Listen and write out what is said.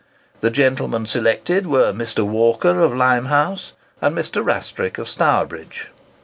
The gentlemen selected were Mr. Walker of Limehouse, and Mr. Rastrick of Stourbridge.